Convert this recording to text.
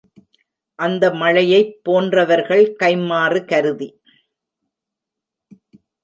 அந்த மழையைப் போன்றவர்கள் கைம்மாறு கருதி